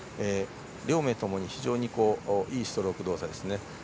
両名とも非常にいいストローク動作ですね。